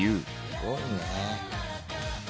すごいね。